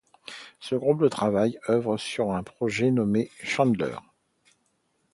Ce groupe de travail œuvre sur un projet nommé Chandler.